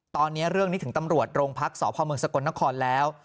ตอนนี้เรื่องนี้ถึงตำรวจโรงพักษพเมืองสกลนครแล้ว